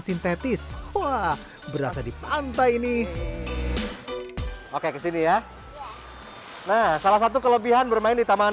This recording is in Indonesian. sintetis wah berasa di pantai nih oke kesini ya nah salah satu kelebihan bermain di taman